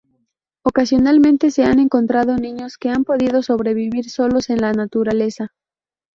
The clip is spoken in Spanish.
Ocasionalmente se han encontrado niños que han podido sobrevivir solos en la naturaleza.